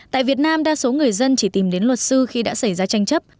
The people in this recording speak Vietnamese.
tại việt nam đa số người dân chỉ tìm đến luật sư khi đã xảy ra tranh chấp